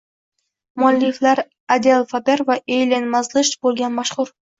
Mualliflari Adel Faber va Eylen Mazlish bo‘lgan mashhur